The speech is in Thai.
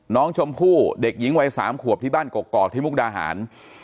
น้องชมพู่เด็กหญิงวัย๓ขวบที่บ้านกอกที่มุกดาหาร